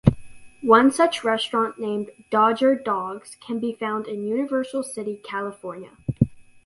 One such restaurant named Dodger Dogs can be found in Universal City, California.